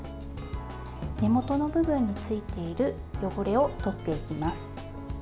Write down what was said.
根元の部分についている汚れをとっていきます。